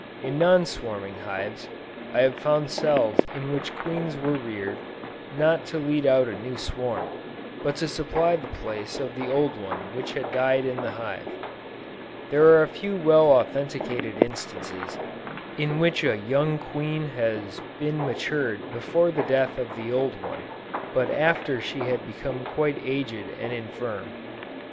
In non swarming hives, I have found cells in which queens were reared, not to lead out a new swarm, but to supply the place of the old one which had died in the hive. There are a few well authenticated instances, in which a young queen has been matured before the death of the old one, but after she had become quite aged and infirm.